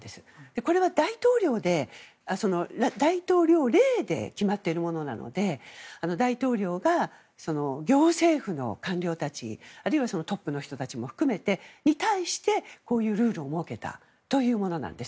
これは大統領令で決まっているものなので大統領が行政府の官僚たちあるいはトップの人たちも含めてに対してこういうルールを設けたというものなんです。